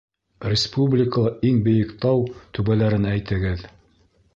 Республикала иң бейек тау түбәләрен әйтегеҙ.